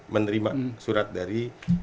menerima surat dari